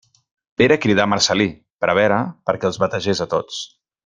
Pere cridà a Marcel·lí, prevere, perquè els bategés a tots.